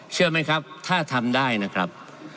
เชื่อไหมครับถ้าทำได้นะครับ